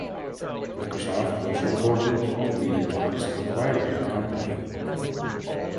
Microsoft was reported to be in talks of acquiring the company.